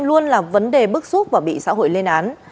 luôn là vấn đề bức xúc và bị xã hội lên án